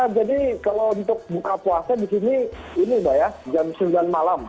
jadi kalau untuk buka puasa di sini ini sudah ya jam sembilan malam